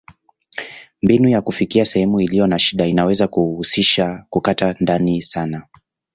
Mbinu ya kufikia sehemu iliyo na shida inaweza kuhusisha kukata ndani sana.